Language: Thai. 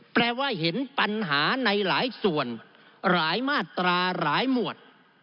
แปลว่าเห็นปัญหาในหลายส่วนหลายมาตราหลายหมวด